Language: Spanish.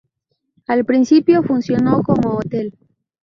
Al principio, funcionó como hotel.